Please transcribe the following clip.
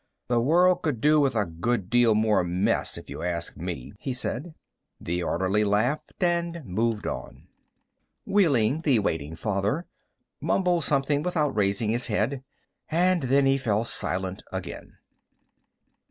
"The world could do with a good deal more mess, if you ask me," he said. The orderly laughed and moved on. Wehling, the waiting father, mumbled something without raising his head. And then he fell silent again.